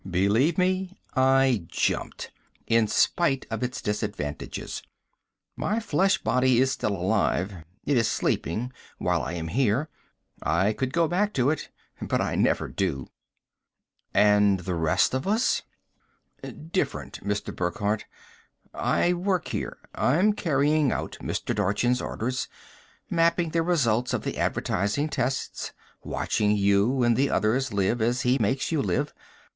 Believe me, I jumped, in spite of its disadvantages. My flesh body is still alive it is sleeping, while I am here. I could go back to it. But I never do." "And the rest of us?" "Different, Mr. Burckhardt. I work here. I'm carrying out Mr. Dorchin's orders, mapping the results of the advertising tests, watching you and the others live as he makes you live.